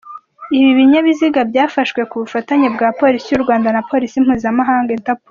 Ibi binyabiziga byafashwe ku bufatanye bwa Polisi y’u Rwanda na Polisi mpuzamahanga ‘Interpol’.